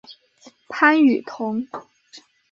潘雨桐。